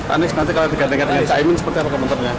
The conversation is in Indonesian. anies nanti kalau digandengkan dengan caimin seperti apa komentarnya